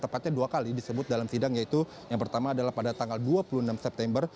tepatnya dua kali disebut dalam sidang yaitu yang pertama adalah pada tanggal dua puluh enam september